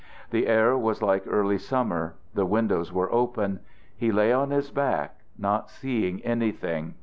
The air was like early summer. The windows were open. He lay on his back, not seeing anything.